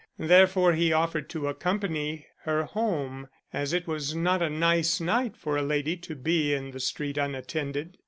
Therefore he offered to accompany her home, as it was not a nice night for a lady to be in the street unattended.